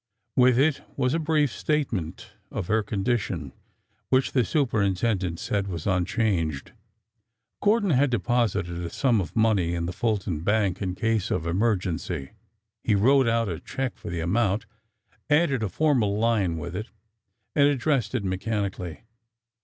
With it was a brief state ment of her condition, which the superintendent said was unchanged. Gordon had deposited a sum of money in the Fulton bank — in case of emergency. He wrote out a check for the amount, added a formal line with it, and addressed it mechanically.